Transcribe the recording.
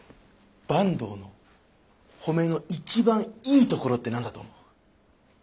坂東の褒めの一番いいところって何だと思う？